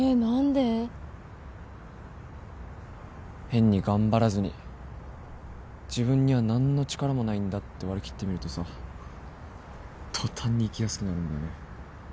変に頑張らずに自分には何の力もないんだって割り切ってみるとさ途端に生きやすくなるんだよね。